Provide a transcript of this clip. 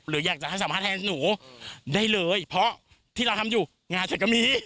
หรืออยากจะให้สัมภาษณ์แทนหนูได้เลยเพราะที่เราทำอยู่งานฉันก็มี